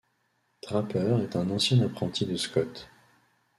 Draper est un ancien apprenti de Scot.